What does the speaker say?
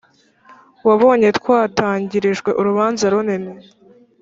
wabonye twatangirijwe urubanza runini,